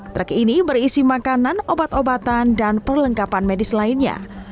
trek ini berisi makanan obat obatan dan perlengkapan medis lainnya